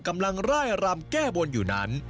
กำลังไล่รำแก้บนอยู่นั้น